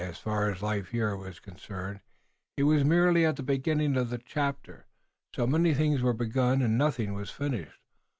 As far as life here was concerned he was merely at the beginning of the chapter. So many things were begun and nothing was finished.